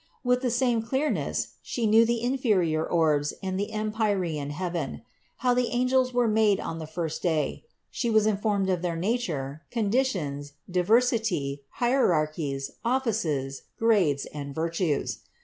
With the same clearness She knew the inferior orbs and the empyrean heaven; how the angels were made on the first day ; She was informed of their nature, conditions, diversity, hierarchies, offices, grades and virtues.